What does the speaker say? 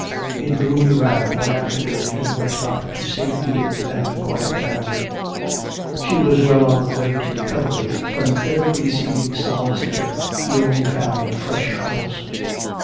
In gloomy wrath one afternoon he went up to see Edith and quiet down. She was well on the way to recovery, but instead of receiving solace here he only found fresh troubles.